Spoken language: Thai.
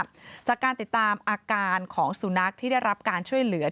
จากการติดตามอาการของสุนัขที่ได้รับการช่วยเหลือ